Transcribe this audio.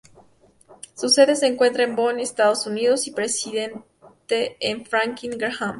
Su sede se encuentra en Boone, Estados Unidos y su presidente es Franklin Graham.